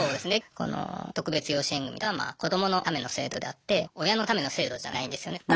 この特別養子縁組とは子どものための制度であって親のための制度じゃないんですよね。